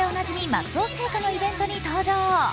松尾製菓のイベントに登場。